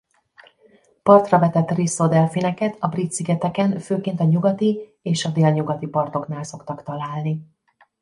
Partra vetett Risso-delfineket a Brit-szigeteken főként a nyugati és a délnyugati partoknál szoktak találni.